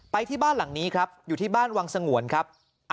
ที่บ้านหลังนี้ครับอยู่ที่บ้านวังสงวนครับ